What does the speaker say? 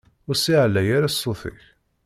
Ur ssiεlay ara ssut-ik!